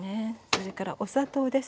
それからお砂糖です。